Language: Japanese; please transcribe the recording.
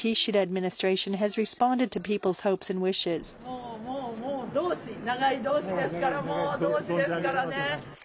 もう、もう、もう同志、長い同志ですからもう同志ですからね。